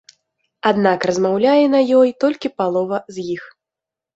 Аднак размаўляе на ёй толькі палова з іх.